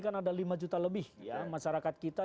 kan ada lima juta lebih ya masyarakat kita